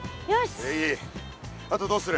あとどうする？